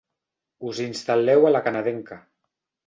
Us instal·leu a la canadenca.